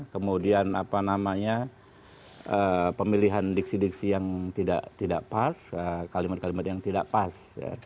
kemudian apa namanya pemilihan diksi diksi yang tidak pas kalimat kalimat yang tidak pas